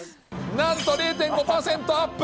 なんと０．５％アップ。